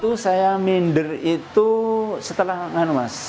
itu saya minder itu setelah nganwas sebenarnya itu masuk mi mas